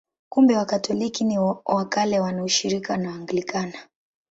Kumbe Wakatoliki wa Kale wana ushirika na Waanglikana.